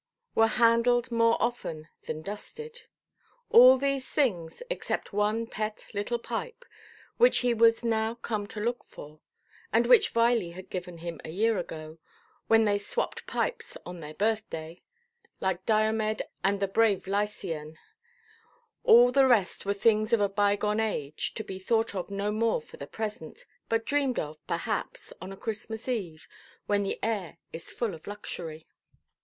—were handled more often than dusted. All these things, except one pet little pipe, which he was now come to look for, and which Viley had given him a year ago, when they swopped pipes on their birthday (like Diomed and the brave Lycian), all the rest were things of a bygone age, to be thought of no more for the present, but dreamed of, perhaps, on a Christmas–eve, when the air is full of luxury.